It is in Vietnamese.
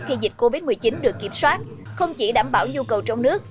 khi dịch covid một mươi chín được kiểm soát không chỉ đảm bảo nhu cầu trong nước